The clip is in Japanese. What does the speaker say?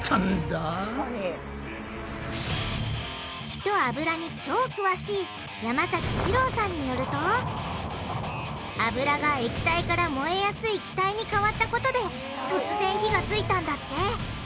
火と油に超詳しい山崎詩郎さんによると油が液体から燃えやすい気体に変わったことで突然火がついたんだって。